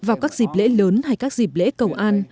vào các dịp lễ lớn hay các dịp lễ cầu an